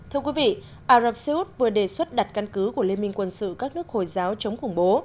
thưa quý vị arab seyoud vừa đề xuất đặt căn cứ của liên minh quân sự các nước hồi giáo chống khủng bố